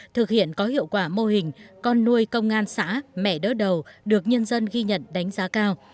thực hiện có hiệu quả mô hình con nuôi công an xã mẹ đớt đầu được nhân dân ghi nhận đánh giá cao